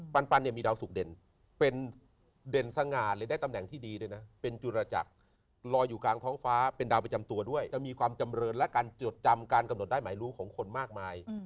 ปันเนี่ยมีดาวสุกเด่นเป็นเด่นสง่าเลยได้ตำแหน่งที่ดีด้วยนะเป็นจุรจักรลอยอยู่กลางท้องฟ้าเป็นดาวประจำตัวด้วยจะมีความจำเรินและการจดจำการกำหนดได้หมายรู้ของคนมากมาย